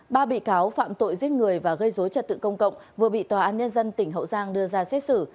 ba bị cáo phạm tội giết người và gây dối trật tự công cộng vừa bị tòa án nhân dân tỉnh hậu giang đưa ra xét xử